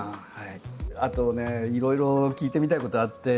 あとねいろいろ聞いてみたいことあって。